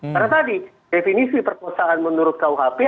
karena tadi definisi perkosaan menurut kuhp